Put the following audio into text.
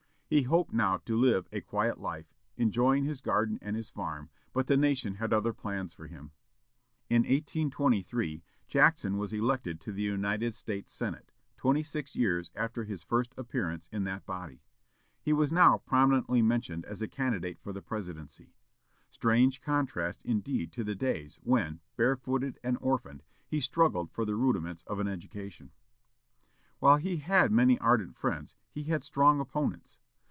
He hoped now to live a quiet life, enjoying his garden and his farm; but the nation had other plans for him. In 1823, Jackson was elected to the United States Senate, twenty six years after his first appearance in that body. He was now prominently mentioned as a candidate for the Presidency. Strange contrast indeed to the days when, bare footed and orphaned, he struggled for the rudiments of an education. While he had many ardent friends, he had strong opponents.